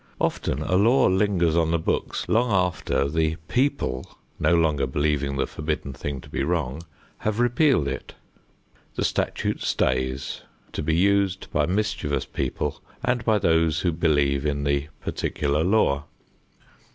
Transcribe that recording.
Often a law lingers on the books long after the people, no longer believing the forbidden thing to be wrong, have repealed it. The statute stays, to be used by mischievous people and by those who believe in the particular law.